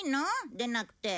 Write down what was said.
出なくて。